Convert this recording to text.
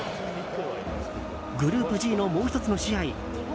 グループＧのもう１つの試合。